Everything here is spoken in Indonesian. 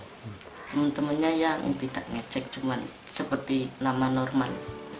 teman temannya yang tidak ngecek cuma seperti nama normal